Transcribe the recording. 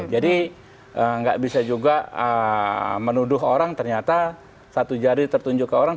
jadi nggak bisa juga menuduh orang ternyata satu jari tertunjuk ke orang